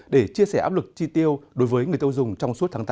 để chia sẻ áp lực chi tiêu đối với người tiêu dùng trong suốt tháng tám